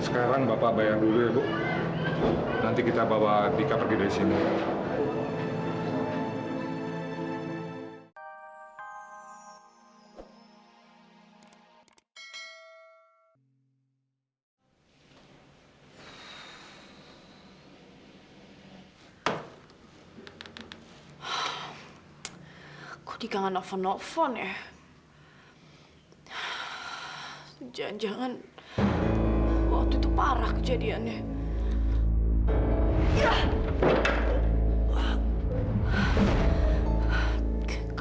sampai jumpa di video selanjutnya